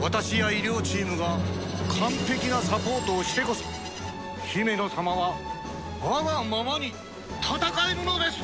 私や医療チームが完璧なサポートをしてこそヒメノ様は我がままに戦えるのです！